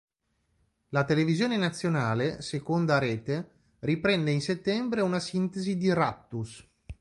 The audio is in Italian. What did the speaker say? La televisione nazionale, seconda rete, riprende in settembre una sintesi di "Raptus".